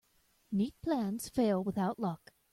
Neat plans fail without luck.